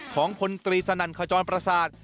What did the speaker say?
ของคนตรีสนั่นขจรประสาท